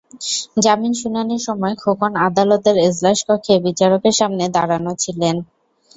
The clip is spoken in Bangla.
জামিন শুনানির সময় খোকন আদালতের এজলাস কক্ষে বিচারকের সামনে দাঁড়ানো ছিলেন।